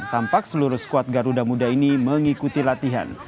tampak seluruh skuad garuda muda ini mengikuti latihan